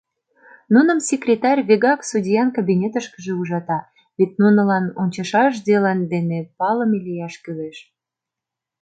Нуным секретарь вигак судьян кабинетышкыже ужата: вет нунылан ончышаш дела дене палыме лияш кӱлеш.